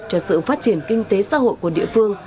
cho sự phát triển kinh tế xã hội của địa phương